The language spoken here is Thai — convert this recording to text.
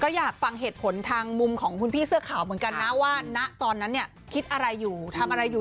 ก็อยากฟังเหตุผลทางมุมของคุณพี่เสื้อขาวเหมือนกันนะว่าณตอนนั้นเนี่ยคิดอะไรอยู่ทำอะไรอยู่